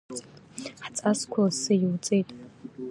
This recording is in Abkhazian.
Ҳҵасқәа лассы иуҵеит…